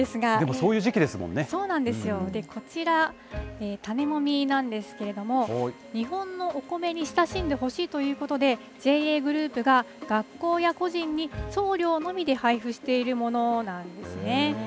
でも、そういう時期なんですそうなんですよ、こちら、種もみなんですけれども、日本のお米に親しんでほしいということで、ＪＡグループが学校や個人に送料のみで配布しているものなんですね。